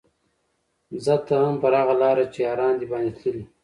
ځه ته هم پر هغه لاره چي یاران دي باندي تللي